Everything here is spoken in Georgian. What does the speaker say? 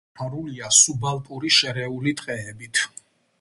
პარკი დაფარულია სუბალპური შერეული ტყეებით.